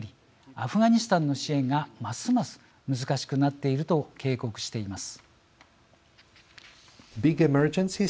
アフガニスタンの支援がますます難しくなっていると警告しています。